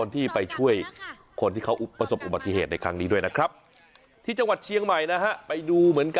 รถเนี่ยเกิดเหตุก่อนถึงวัดคลองเมืองจังหวัดพิศนุโลก